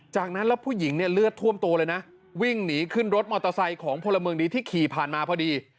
จากนั้นแล้วผู้หญิงเนี่ยเลือดท่วมตัวเลยนะวิ่งหนีขึ้นรถมอเตอร์ไซค์ของพลเมืองดีที่ขี่ผ่านมาพอดี